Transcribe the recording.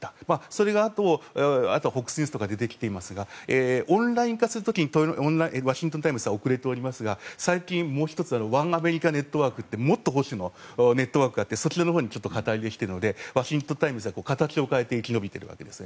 そのあとは他のものも出ていますがオンライン化する時にワシントン・タイムズは遅れておりますが最近、もう１つあるワンアメリカネットワークってもっと保守のネットワークがあってそちらのほうに肩入れしているのでワシントン・タイムズは形を変えて生き抜いているわけです。